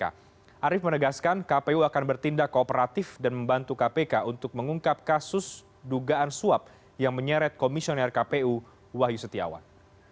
arief menegaskan kpu akan bertindak kooperatif dan membantu kpk untuk mengungkap kasus dugaan suap yang menyeret komisioner kpu wahyu setiawan